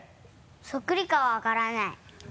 そっくりかは分からない。